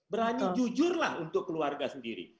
berarti jujurlah untuk keluarga sendiri